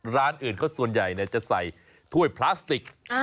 ร้านอื่นก็ส่วนใหญ่เนี่ยจะใส่ถ้วยพลาสติค